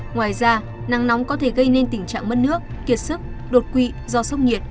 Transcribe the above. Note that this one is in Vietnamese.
ngoài ra nắng nóng có thể gây nên tình trạng mất nước kiệt sức đột quỵ do sốc nhiệt